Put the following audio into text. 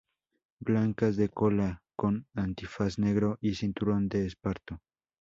Blancas, de cola, con antifaz negro y cinturón de esparto.